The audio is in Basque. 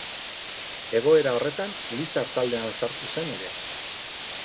Egoera horretan Lizar taldean sartu zen ere.